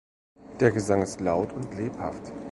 Der Gesang ist laut und lebhaft.